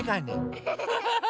アハハハ！